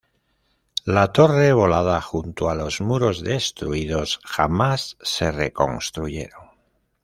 La torre volada junto a los muros destruidos jamás se reconstruyeron.